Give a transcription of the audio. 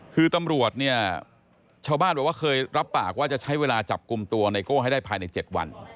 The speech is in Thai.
คือตำรวจเนี่ยชาวบ้านบอกว่าเคยรับปากว่าจะใช้เวลาจับกลุ่มตัวไนโก้ให้ได้ภายใน๗วัน